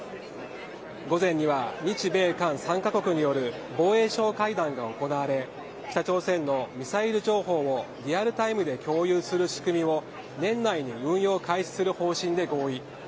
午前には日米韓３カ国による防衛相会談が行われ北朝鮮のミサイル情報をリアルタイムで共有する仕組みを年内に運用を開始する方針で合意。